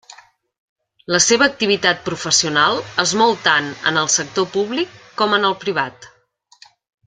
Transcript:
La seva activitat professional es mou tant en el sector públic com en el privat.